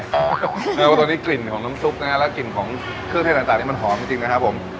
คือว่าตอนนี้กลิ่นของน้ำซุปนะฮะและกลิ่นของเครื่องเทศต่างนี่มันหอมจริงนะครับผม